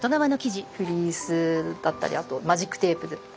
フリースだったりあとマジックテープで。